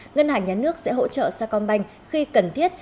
ngân hàng nhà nước sẽ hỗ trợ sa công banh khi cần thiết